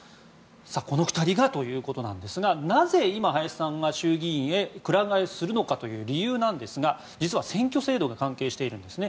この２人がということなんですがなぜ今、林さんが衆議院へくら替えするのかという理由なんですが実は選挙制度が関係しているんですね。